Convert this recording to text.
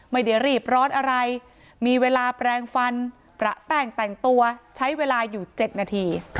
ไม่ได้รีบร้อนอะไรมีเวลาแปลงฟันประแป้งแต่งตัวใช้เวลาอยู่๗นาที